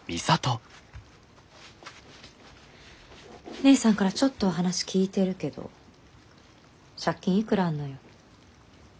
姉さんからちょっとは話聞いてるけど借金いくらあんのよ？